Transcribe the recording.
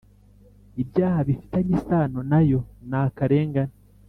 ibyaha bifitanye isano na yo n akarengane